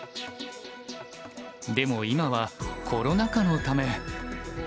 でも今はコロナ禍のため。